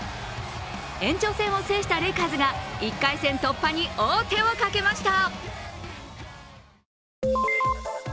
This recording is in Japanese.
延長戦を制したレイカーズが１回戦突破に王手をかけました。